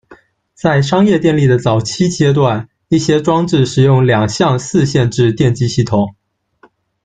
在商业电力的早期阶段，一些装置使用两相四线制电机系统。